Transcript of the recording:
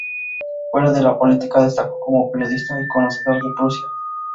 Fuera de la política, destacó como periodista y conocedor de Prusia.